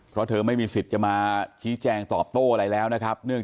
เพราะเธอไม่มีสิทธิ์จะมาชี้แจงตอบโต้อะไรแล้วนะครับ